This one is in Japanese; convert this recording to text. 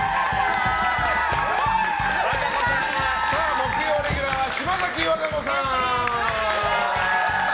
木曜レギュラー島崎和歌子さん。